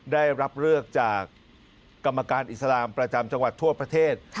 ได้รับเลือกจากกรรมการอิสลามประจำจังหวัดทั่วประเทศ